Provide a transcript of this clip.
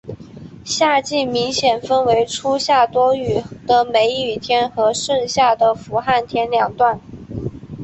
夏季明显分为初夏多雨的梅雨天和盛夏的伏旱天两段。